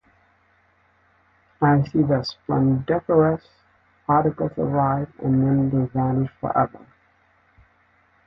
I see the splendiferous articles arrive, and then they vanish for ever.